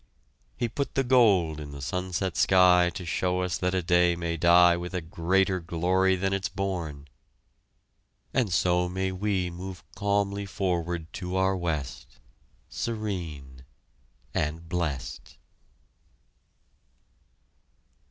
He put the gold in the sunset sky To show us that a day may die With greater glory than it's born, And so may we Move calmly forward to our West, Serene and blest!